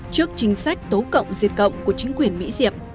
trước chính sách tố cộng diệt cộng của chính quyền mỹ diệp